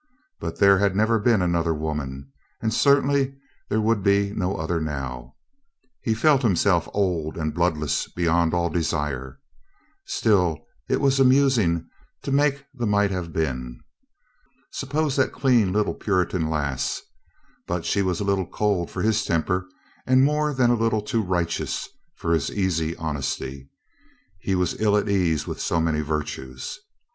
But there had never been another woman and certainly there would be no other now. He felt himself old and bloodless beyond all desire. Still, it was amusing to make the might have been. Suppose that clean little Puritan lass — but she was a little cold for his temper and more than a little too righteous for his easy hon esty. He was ill at ease with so many virtues.